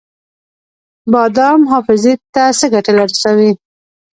بادام حافظې ته څه ګټه رسوي؟